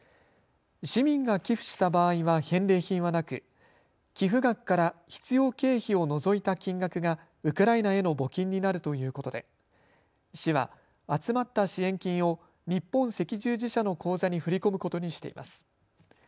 市民が寄付した場合は返礼品はなく寄付額から必要経費を除いた金額がウクライナへの募金になるということで市は、集まった支援金を日本赤十字社の口座に振り込むことにしています。